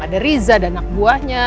ada riza dan anak buahnya